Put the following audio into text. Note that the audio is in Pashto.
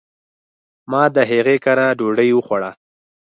ما د هغي کره ډوډي وخوړه .